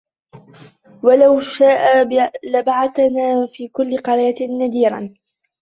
وَلَو شِئنا لَبَعَثنا في كُلِّ قَريَةٍ نَذيرًا